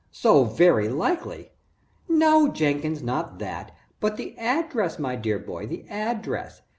"So very likely!" "No, Jenkins, not that, but the address, my dear boy, the address.